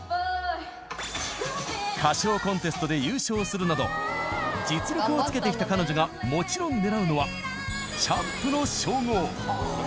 歌唱コンテストで優勝するなど実力をつけてきた彼女がもちろん狙うのはチャンプの称号。